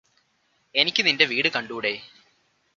എനിക്ക് നിന്റെ വീട് കണ്ടൂടെ